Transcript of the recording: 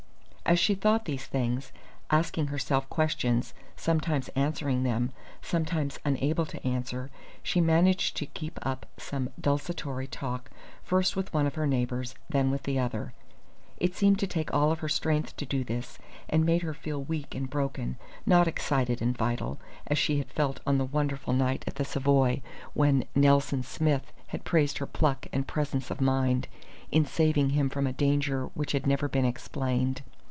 As she thought these things, asking herself questions, sometimes answering them, sometimes unable to answer, she managed to keep up some desultory talk first with one of her neighbours, then with the other. It seemed to take all her strength to do this, and made her feel weak and broken, not excited and vital, as she had felt on the wonderful night at the Savoy when "Nelson Smith" had praised her pluck and presence of mind in saving him from a danger which had never been explained.